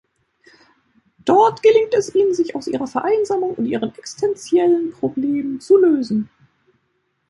Dort gelingt es ihnen, sich aus ihrer Vereinsamung und ihren existentiellen Problemen zu lösen.